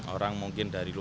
orang mungkin dari luar